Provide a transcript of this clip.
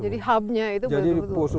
jadi hubnya itu benar benar poso